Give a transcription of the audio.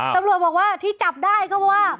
ตำรวจบอกว่าที่จับได้ก็เพราะว่า